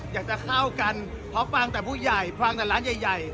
อยากจะเข้ากันเพราะฟังแต่ผู้ใหญ่ฟังแต่ร้านใหญ่